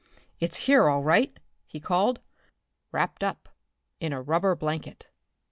"It's here, all right," he called, "wrapped up in a rubber blanket."